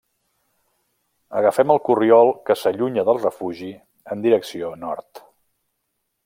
Agafem el corriol que s'allunya del refugi en direcció nord.